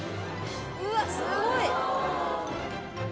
うわすごい！